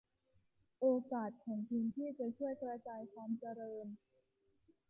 โอกาสของพื้นที่จะช่วยกระจายความเจริญ